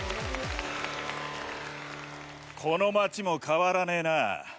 この町も変わらねえな。